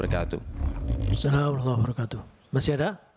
assalamualaikum wr wb masih ada